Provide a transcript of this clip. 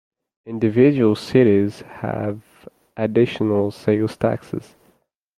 Individual cities have additional sales taxes.